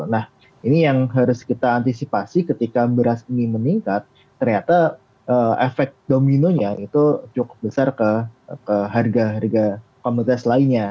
nah ini yang harus kita antisipasi ketika beras ini meningkat ternyata efek dominonya itu cukup besar ke harga harga komoditas lainnya